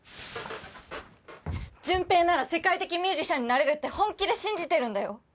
純平なら世界的ミュージシャンになれるって本気で信じてるんだよ。